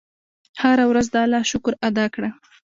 هره ورځ د الله شکر ادا کړه.